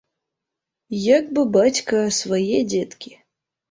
Як бы бацька свае дзеткі.